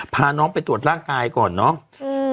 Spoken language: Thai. พาน้องไปตรวจร่างกายก่อนเนาะ